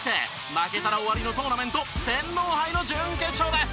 負けたら終わりのトーナメント天皇杯の準決勝です。